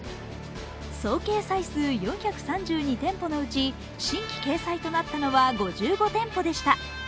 総掲載数４３２店舗のうち新規掲載となったのは５５店舗でした。